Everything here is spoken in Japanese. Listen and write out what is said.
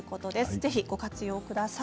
ぜひご活用ください。